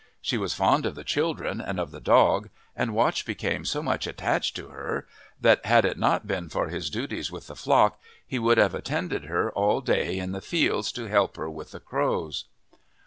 She was fond of the children and of the dog, and Watch became so much attached to her that had it not been for his duties with the flock he would have attended her all day in the fields to help her with the crows.